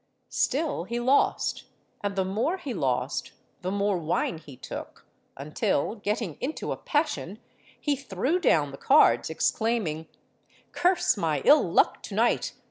Still he lost—and the more he lost, the more wine he took; until, getting into a passion, he threw down the cards, exclaiming, 'Curse my ill luck to night!